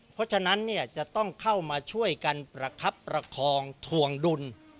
เพราะฉะนั้นจะต้องเข้ามาช่วยกันประคับประคองทวงดุล